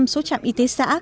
một trăm linh số trạm y tế xã